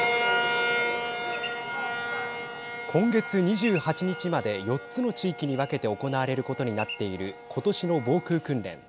今月２８日まで４つの地域に分けて行われることになっていることしの防空訓練。